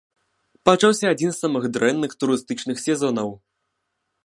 Пачаўся адзін з самых дрэнных турыстычных сезонаў.